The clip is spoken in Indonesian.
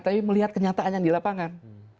tapi melihat kenyataannya di lapangan